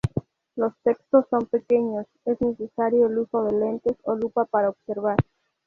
Los textos son pequeños, es necesario el uso de lentes o lupa para observar.